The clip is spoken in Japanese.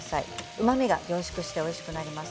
うまみが凝縮しておいしくなります。